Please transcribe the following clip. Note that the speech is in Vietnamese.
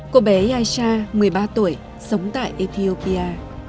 cô bé aisha một mươi ba tuổi sống tại ethiopia